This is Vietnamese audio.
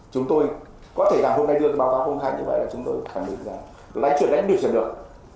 chúng tôi có thể làm hôm nay đưa cái báo cáo công khai như vậy là chúng tôi khẳng định rằng đánh chuyển đánh được chẳng được